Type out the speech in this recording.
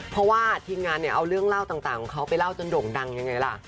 เพราะว่าทีมงานเนี่ยเอาเรื่องเล่าต่างของเขาไปเล่าจนโด่งดังยังไงล่ะ